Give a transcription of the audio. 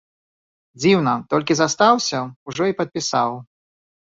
Дзіўна, толькі застаўся, ужо і падпісаў.